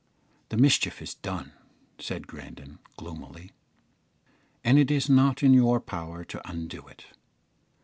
"The mischief is done," said Grandon, gloomily, "and it is not in your power to undo it.